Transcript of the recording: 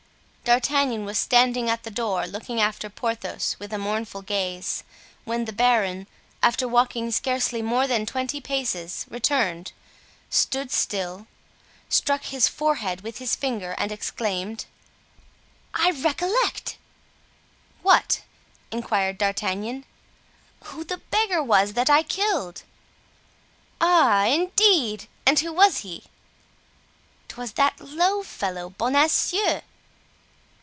D'Artagnan was standing at the door looking after Porthos with a mournful gaze, when the baron, after walking scarcely more than twenty paces, returned—stood still—struck his forehead with his finger and exclaimed: "I recollect!" "What?" inquired D'Artagnan. "Who the beggar was that I killed." "Ah! indeed! and who was he?" "'Twas that low fellow, Bonacieux."